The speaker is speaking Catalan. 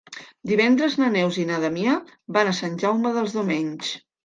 Divendres na Neus i na Damià van a Sant Jaume dels Domenys.